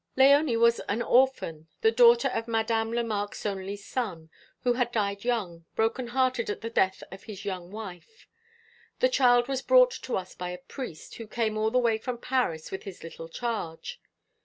Léonie was an orphan, the daughter of Madame Lemarque's only son, who had died young, broken hearted at the death of his young wife. The child was brought to us by a priest, who came all the way from Paris with his little charge.